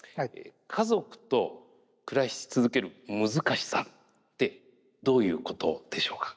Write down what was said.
家族と暮らし続ける難しさってどういうことでしょうか？